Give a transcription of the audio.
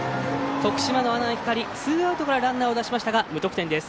徳島の阿南光ツーアウトからランナーを出しましたが無得点です。